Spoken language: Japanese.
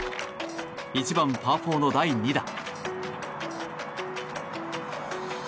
１番パー４の第２打。